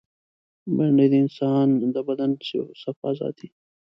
بېنډۍ د انسان د بدن صفا ساتي